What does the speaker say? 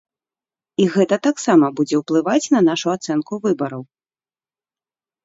І гэта таксама будзе ўплываць на нашу ацэнку выбараў.